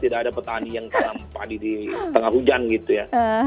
tidak ada petani yang tanam padi di tengah hujan gitu ya